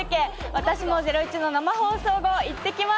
私も『ゼロイチ』の生放送後、行ってきます。